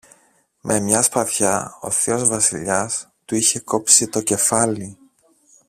Με μια σπαθιά ο θείος Βασιλιάς του είχε κόψει το κεφάλι.